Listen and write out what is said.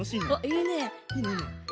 いいねいいね！